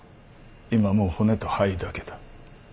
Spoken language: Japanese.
今はもう骨と灰だけだ。